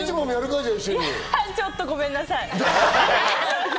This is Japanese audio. ちょっとごめんなさい。